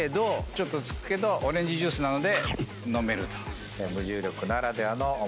ちょっと付くけどオレンジジュースなので飲めると。